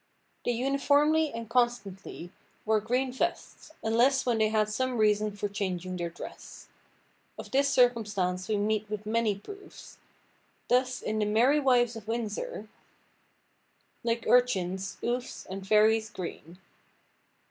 They uniformly and constantly wore green vests, unless when they had some reason for changing their dress. Of this circumstance we meet with many proofs. Thus in The Merry Wives of Windsor— "Like urchins, ouphes, and fairies green."